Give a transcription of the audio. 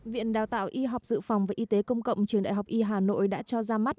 viện đào tạo y học dự phòng và y tế công cộng trường đại học y hà nội đã cho ra mắt